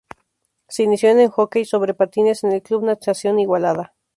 Se inició en en hockey sobre patines en el Club Natación Igualada.